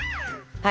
はい。